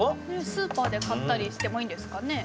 スーパーで買ったりしてもいいんですかね？